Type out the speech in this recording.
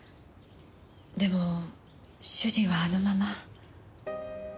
でも主人はあのまま。